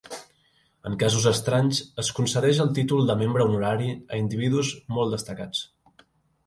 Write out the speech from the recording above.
En casos estranys, es concedeix el títol de membre honorari a individus molt destacats.